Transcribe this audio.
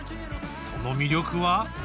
その魅力は。